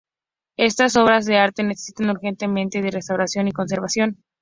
Estas obras de arte necesitan urgentemente de restauración y conservación.